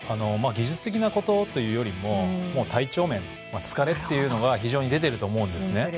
技術的なことというよりも体調面、疲れているというのは出ていると思うんですね。